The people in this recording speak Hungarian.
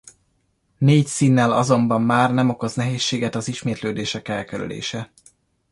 Négy színnel azonban már nem okoz nehézséget az ismétlődések elkerülése.